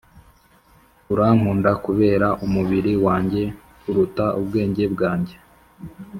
urankunda kubera umubiri wanjye kuruta ubwenge bwanjye.